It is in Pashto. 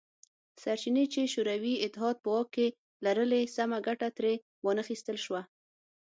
سرچینې چې شوروي اتحاد په واک کې لرلې سمه ګټه ترې وانه خیستل شوه